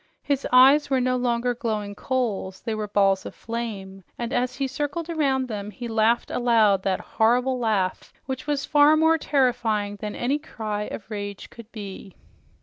His eyes were no longer glowing coals, they were balls of flame, and as he circled around them, he laughed aloud that horrible laugh which was far more terrifying than any cry of rage could be.